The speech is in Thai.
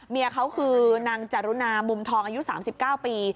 เมียเขาคือนางจรุณามุมทองอายุ๓๙ปี